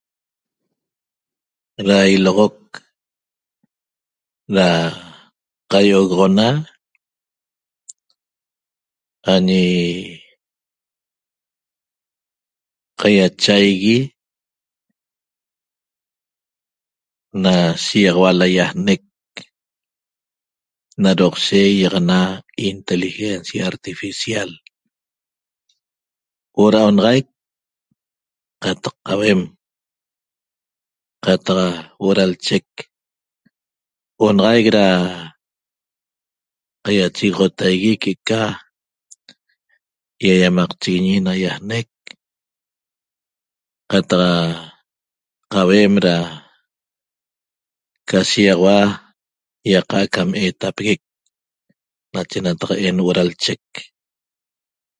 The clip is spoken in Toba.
Na iloxoq da caioxona añi caiachaigue Na shiguiaxaua laiaxnec na doqshec yaxana inteligencia artificial huoo na onaxaic cataq cohuem cataq huoo da l'cheq onaxaiq da caiachexotahie que ca iaiamaxñe chiguiñi laiaxnec cataq da couem da ca shiaxaua ya ca etapegueq nache nataqa'en huoo da lcheq